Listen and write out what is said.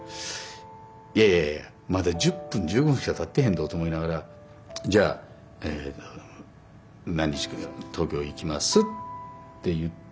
いやいやまだ１０分１５分しかたってへんぞと思いながらじゃ何日に東京に行きますって言って。